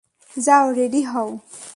যাও রেডি হও।